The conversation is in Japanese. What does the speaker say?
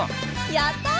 やったあ！